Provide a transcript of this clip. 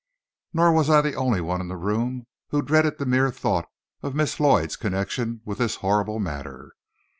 Nor was I the only one in the room who dreaded the mere thought of Miss Lloyd's connection with this horrible matter.